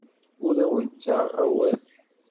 Ur awen-ttaɣeɣ awal.